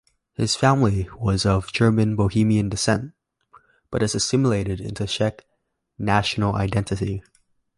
His family was of German Bohemian descent, but has assimilated into Czech national identity.